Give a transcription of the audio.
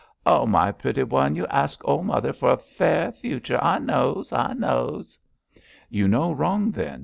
Oh, my pretty one, you asks ole mother for a fair future! I knows! I knows!' 'You know wrong then!'